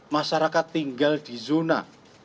masyarakat tinggal di zona